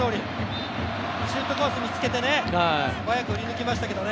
シュートコース見つけて素早く振り抜きましたけどね。